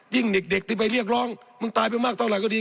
เด็กที่ไปเรียกร้องมึงตายไปมากเท่าไหร่ก็ดี